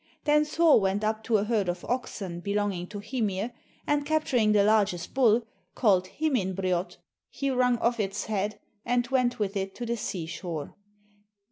Then Thor went up to a herd of oxen belonging to Hymir, and capturing the largest bull, called Himinbrjot, he wrung off its head, and went with it to the sea shore.